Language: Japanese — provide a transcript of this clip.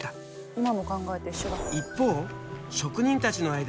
今の考えと一緒だ。